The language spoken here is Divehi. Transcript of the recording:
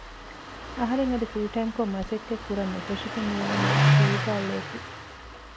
އަހަރެން އަދި ފުލް ޓައިމްކޮށް މަސައްކަތްކުރަން ނުފެށިގެން މިއުޅެނީ ސްކޫލުގައި އުޅޭތީ